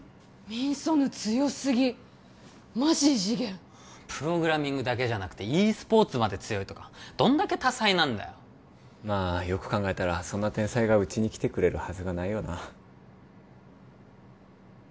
ミン・ソヌ強すぎマジ異次元プログラミングだけじゃなくてｅスポーツまで強いとかどんだけ多才なんだよまあよく考えたらそんな天才がうちに来てくれるはずがないよな